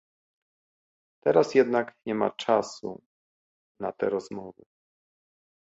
Teraz jednak nie ma czasu na te rozmowy